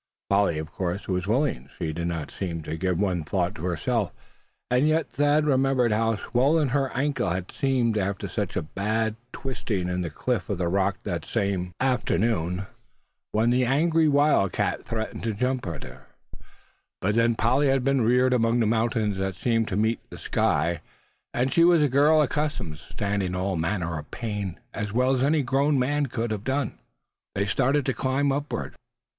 Polly, of course, was willing. She did not seem to give one thought to herself; and yet Thad remembered how swollen her ankle had seemed, after such a bad twisting in the cleft of the rock that same afternoon, when the angry wildcat threatened to jump at her. But then Polly had been reared among the mountains that seem to meet the sky; and she was a girl accustomed to standing all manner of pain as well as any grown man could have done. They started to climb upward.